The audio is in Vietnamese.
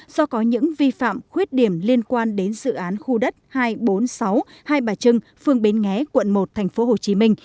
do có những vi phạm khuyết điểm liên quan đến dự án khu đất hai trăm bốn mươi sáu hai bà trưng phương bến nghé quận một tp hcm